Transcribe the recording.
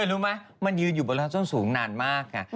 โอ๊ยดูคุณแม่เอน